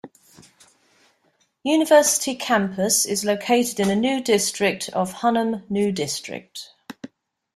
University campus is located in a new district of Hunnan New District.